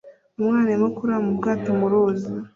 Umwana arimo kuroba mu bwato mu ruzi